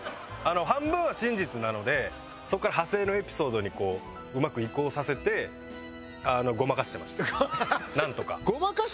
半分は真実なのでそこから派生のエピソードにこううまく移行させてごまかしてましたなんとか。